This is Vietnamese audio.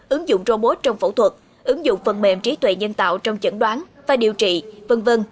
ứng dụng robot trong phẫu thuật ứng dụng phần mềm trí tuệ nhân tạo trong chẩn đoán và điều trị v v